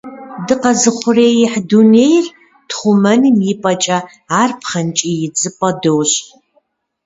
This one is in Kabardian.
Дыкъэузыухъуреихь дунейр тхъумэным и пӏэкӏэ, ар пхъэнкӏий идзыпӏэ дощӏ.